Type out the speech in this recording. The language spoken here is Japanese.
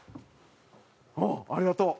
おっありがとう。